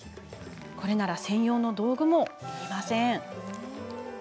これなら専用の道具もいりません。